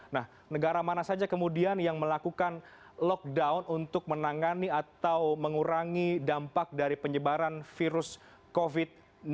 nah negara mana saja kemudian yang melakukan lockdown untuk menangani atau mengurangi dampak dari penyebaran virus covid sembilan belas